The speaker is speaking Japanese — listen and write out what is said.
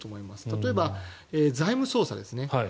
例えば、財務捜査ですね。